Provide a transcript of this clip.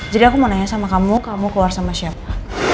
aku mau nanya sama kamu kamu keluar sama siapa